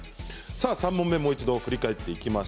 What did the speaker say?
３問目もう一度振り返っていきます。